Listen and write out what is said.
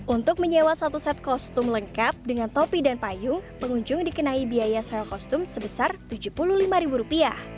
untuk menyewa satu set kostum lengkap dengan topi dan payung pengunjung dikenai biaya sel kostum sebesar rp tujuh puluh lima